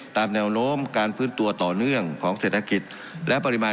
ตามแนวโน้มการฟื้นตัวต่อเนื่องของเศรษฐกิจและปริมาณ